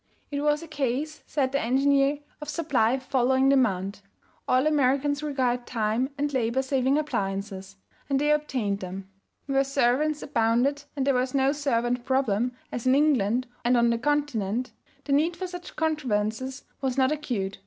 It was a case, said the engineer, of supply following demand; all Americans required time and labor saving appliances, and they obtained them. Where servants abounded and there was no servant problem, as in England and on the Continent, the need for such contrivances was not acute.